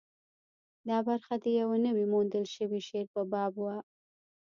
دا برخه د یوه نوي موندل شوي شعر په باب وه.